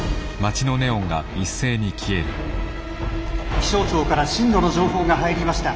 「気象庁から震度の情報が入りました。